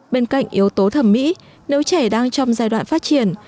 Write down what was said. bên cạnh yếu tố thẩm mỹ nếu trẻ đang trong giai đoạn phát triển